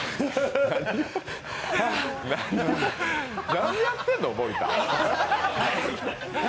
何やってるの森田。